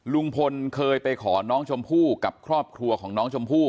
ลุงพลเคยไปขอน้องชมพู่กับครอบครัวของน้องชมพู่